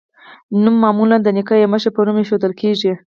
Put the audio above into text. نوم معمولا د نیکه یا مشر په نوم ایښودل کیږي.